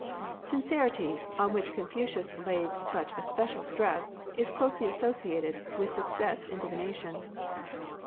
Sincerity, on which Confucius lays such especial stress, is closely associated with success in divina tion.